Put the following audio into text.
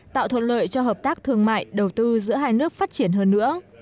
tạo thuận lợi cho hợp tác thương mại đầu tư giữa hai nước phát triển hơn nữa